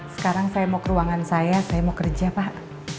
sekarang saya mau ke ruangan saya saya mau kerja pak